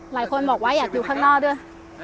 หลายคนบอกว่าอยากอยู่ข้างนอกด้วย